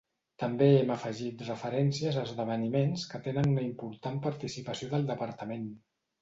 També hem afegit referències a esdeveniments que tenen una important participació del Departament.